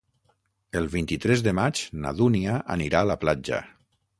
El vint-i-tres de maig na Dúnia anirà a la platja.